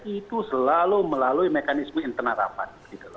itu selalu melalui mekanisme internal rapat